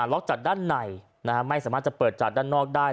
ล็อกจากด้านในไม่สามารถจะเปิดจากด้านนอกได้